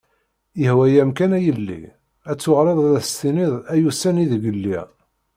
Yehwa-am kan a yelli, ad tuɣaleḍ ad as-tiniḍ ay ussan ideg lliɣ.